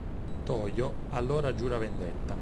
Toyo, allora giura vendetta.